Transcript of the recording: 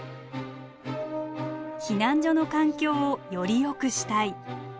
避難所の環境をよりよくしたい。